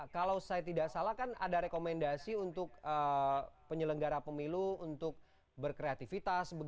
kalau saya tidak salah kan ada rekomendasi untuk penyelenggara pemilu untuk berkreativitas